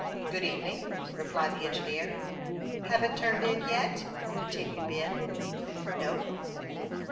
" Good evening," replied the engineer. " Haven't turned in yet ?" continued Ben. "No."